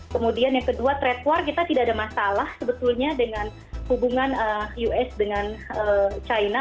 kemudian yang kedua trade war kita tidak ada masalah sebetulnya dengan hubungan us dengan china